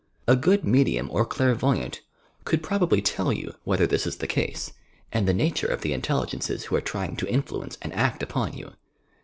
A good medium or clairvoyant could probably tell you whether this is the case, and the nature of the iatelligences who are trying to influence and act upon you.